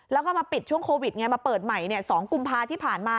แล้วก็มาปิดช่วงโควิดไงมาเปิดใหม่๒กุมภาที่ผ่านมา